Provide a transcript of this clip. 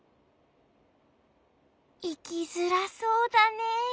いきづらそうだねえ。